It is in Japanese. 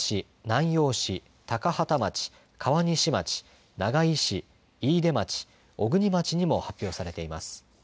南陽市高畠町、川西町長井市、飯豊町小国町にも発表されています。